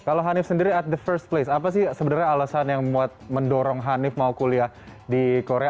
kalau hanif sendiri at the first place apa sih sebenarnya alasan yang mendorong hanif mau kuliah di korea